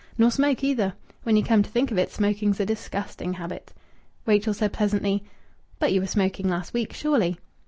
Nor smoke, either. When you come to think of it, smoking's a disgusting habit." Rachel said, pleasantly, "But you were smoking last week, surely?"